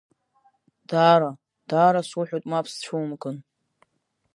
Даара, даара суҳәоит мап сцәумкын!